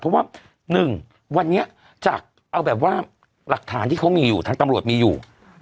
เพราะว่า๑วันนี้จากเอาแบบว่าหลักฐานที่เขามีอยู่ทางตำรวจมีอยู่